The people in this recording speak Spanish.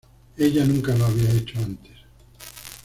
Ella nunca lo había hecho antes.